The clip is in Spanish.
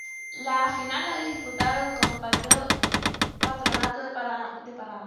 La final la disputaron con Patronato de Paraná.